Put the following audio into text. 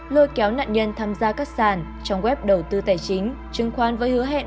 lôi kéo nạn nhân tham gia các sản trong web đầu tư tài chính chứng khoan với hứa hẹn